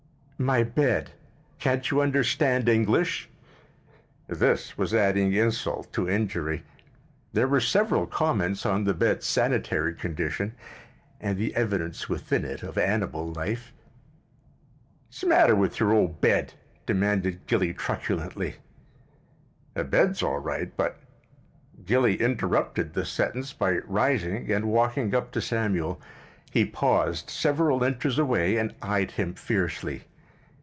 "My bed. Can't you understand English?" This was adding insult to injury. There were several comments on the bed's sanitary condition and the evidence within it of animal life. "S'matter with your old bed?" demanded Gilly truculently. "The bed's all right, but——" Gilly interrupted this sentence by rising and walking up to Samuel. He paused several inches away and eyed him fiercely.